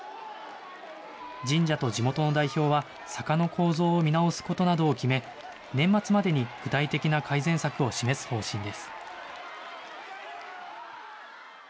神社と地元の代表は、坂の構造を見直すことなどを決め、年末までに具体的な改善策を示す方針です。